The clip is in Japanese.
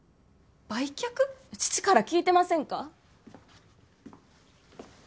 父から聞いてませんか？